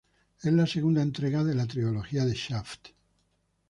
Es la segunda entrega de la trilogía de Shaft.